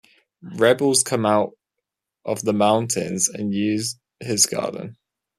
Rebels come out of the mountains and use his garden.